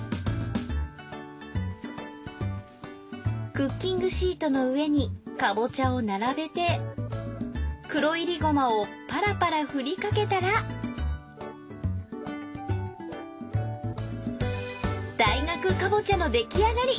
クッキングシートの上にかぼちゃを並べて黒いりごまをパラパラ振りかけたら大学かぼちゃの出来上がり！